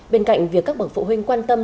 bên cạnh việc các bậc phụ huynh quan tâm